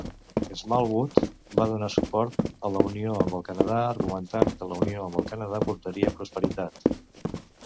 Smallwood va donar suport a la unió amb el Canadà, argumentant que la unió amb el Canadà portaria prosperitat.